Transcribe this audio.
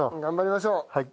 頑張りましょう。